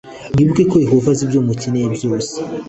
Mwibuke ko Yehova azi ibyo mukeneye byose